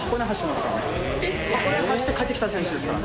箱根走って帰ってきた選手ですから。